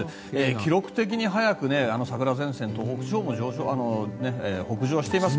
記録的に早く桜前線、東北地方も北上しています。